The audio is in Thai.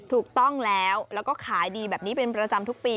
ถูกต้องแล้วแล้วก็ขายดีแบบนี้เป็นประจำทุกปี